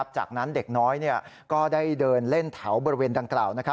จากนั้นเด็กน้อยก็ได้เดินเล่นแถวบริเวณดังกล่าว